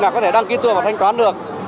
và có thể đăng ký tour và thanh toán được